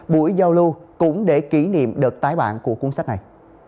buổi giao lưu cũng để kỷ niệm đợt tái bản của cuốn sách này